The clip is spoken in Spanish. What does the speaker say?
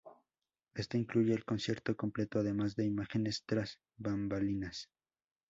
Este incluye el concierto completo además de imágenes tras bambalinas.